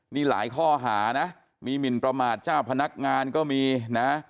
นี่หลายข้อหานะมีหมินประมาทเจ้าพนักงานก็มีนะ